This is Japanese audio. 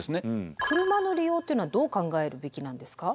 車の利用っていうのはどう考えるべきなんですか？